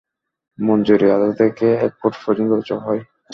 মঞ্জুরি আধা থেকে এক ফুট পর্যন্ত উঁচু হয়।